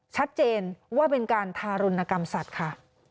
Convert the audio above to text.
ชัดเจนว่าเป็นการทารุณกรรมสัตว์ค่ะ